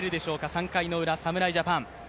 ３回のウラ、侍ジャパン。